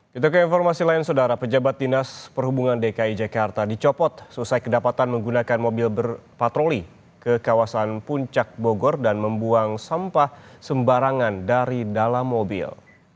kita ke informasi lain saudara pejabat dinas perhubungan dki jakarta dicopot selesai kedapatan menggunakan mobil berpatroli ke kawasan puncak bogor dan membuang sampah sembarangan dari dalam mobil